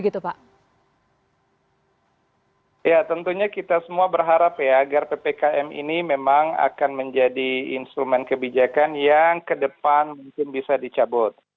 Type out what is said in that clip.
tentunya kita semua berharap agar ppkm ini memang akan menjadi instrumen kebijakan yang ke depan mungkin bisa dicabut